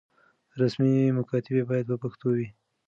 رسمي مکاتبې بايد په پښتو وي.